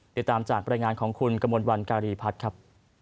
ติดตามจากรายงานของคุณกระมวลวันการีพัฒน์ครับ